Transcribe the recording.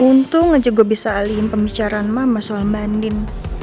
untung aja gue bisa alihin pembicaraan mama soal banding